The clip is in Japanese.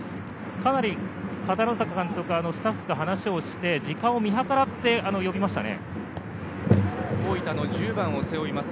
かなり片野坂監督がスタッフと話をして時間を見計らって呼びましたね。